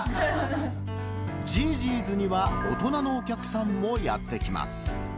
じぃーじぃーずには大人のお客さんもやって来ます。